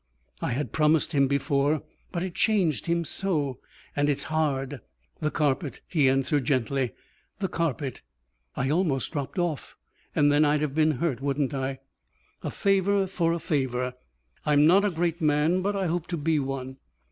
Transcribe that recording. "I had promised him before. But it changed him so. And it's hard." "The carpet," he answered gently. "The carpet " "I almost dropped off, and then I'd have been hurt, wouldn't I?" "A favour for a favour. I'm not a great man, but I hope to be one.